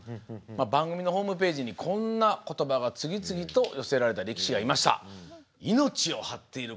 番組のホームページにこんな言葉が次々と寄せられた力士がいました。